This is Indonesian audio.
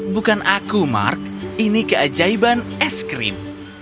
bukan aku mark ini keajaiban es krim